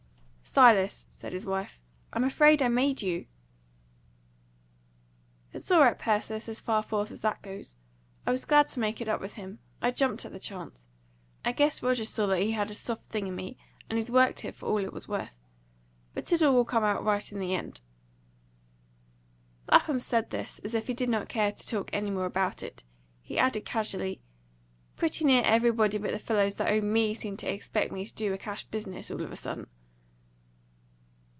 "Silas," said his wife, "I'm afraid I made you!" "It's all right, Persis, as far forth as that goes. I was glad to make it up with him I jumped at the chance. I guess Rogers saw that he had a soft thing in me, and he's worked it for all it was worth. But it'll all come out right in the end." Lapham said this as if he did not care to talk any more about it. He added casually, "Pretty near everybody but the fellows that owe ME seem to expect me to do a cash business, all of a sudden."